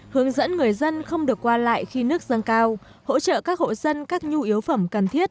hướng dẫn người dân không được qua lại khi nước dâng cao hỗ trợ các hộ dân các nhu yếu phẩm cần thiết